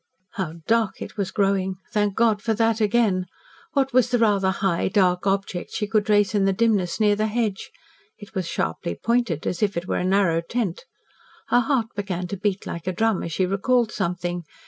How dark it was growing! Thank God for that again! What was the rather high, dark object she could trace in the dimness near the hedge? It was sharply pointed, is if it were a narrow tent. Her heart began to beat like a drum as she recalled something.